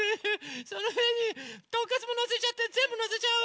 そのへんにトンカツものせちゃってぜんぶのせちゃおう！